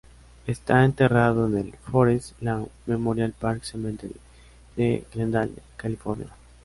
Está enterrado en el Forest Lawn Memorial Park Cemetery de Glendale, California.